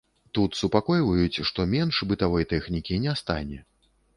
Тут супакойваюць, што менш бытавой тэхнікі не стане.